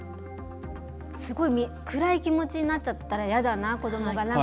すごい暗い気持ちになっちゃったら嫌だな、子どもが。